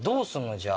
じゃあ。